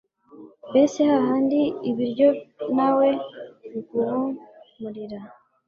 mbese hahandi ibiryo nawe biguhumurira